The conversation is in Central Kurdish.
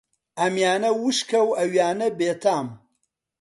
ئەمیانە وشکە و ئەویانە بێتام